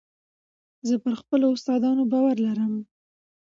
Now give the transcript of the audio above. زه پر خپلو استادانو باور لرم.